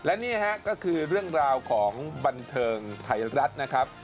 และนี่ฮะก็คือเรื่องราวของบันเทิงไทยรัฐนะครับ